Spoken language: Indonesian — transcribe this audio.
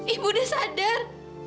ibu sudah sadar